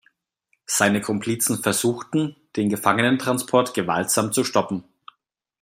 Seine Komplizen versuchten, den Gefangenentransport gewaltsam zu stoppen.